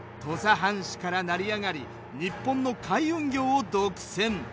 藩士から成り上がり日本の海運業を独占。